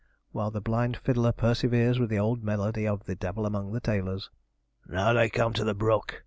while the blind fiddler perseveres with the old melody of 'The Devil among the Tailors.' 'Now they come to the brook!'